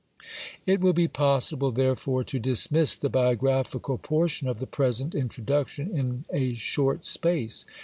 It will be possible, therefore, to dismiss the biographical portion of the present Introduction in a short space.